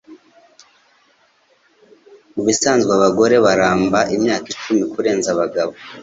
Mubisanzwe abagore baramba imyaka icumi kurenza abagabo